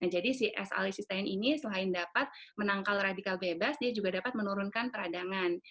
si s alisistain ini selain dapat menangkal radikal bebas dia juga dapat menurunkan peradangan